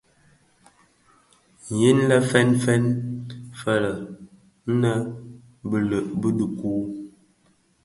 Yin lè fèn fèn fëlë nnë bëlëg bi dhikuu.